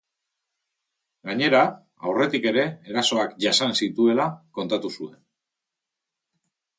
Gainera, aurretik ere erasoak jasan zituela kontatu zuen.